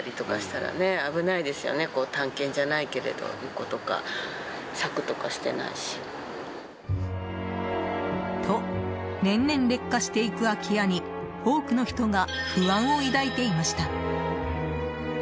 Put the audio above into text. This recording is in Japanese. この状況に、近隣住民は。と、年々劣化していく空き家に多くの人が不安を抱いていました。